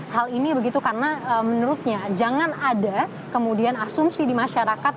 hal ini begitu karena menurutnya jangan ada kemudian asumsi di masyarakat